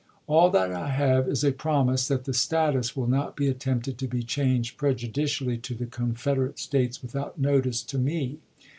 All that I have is a promise that the status will not be attempted to be changed prejudicially to the Confederate States without notice to me.